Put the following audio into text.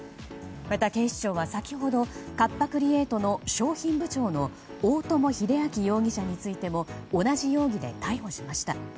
また警視庁は先ほどカッパ・クリエイトの商品部長の大友英昭容疑者についても同じ容疑で逮捕しました。